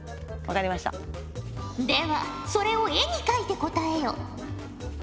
ではそれを絵に描いて答えよ。